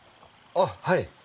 あっはい。